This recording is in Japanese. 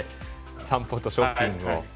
散歩とショッピングを。